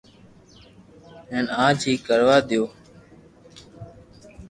ھين آج ھي ڪروا ديو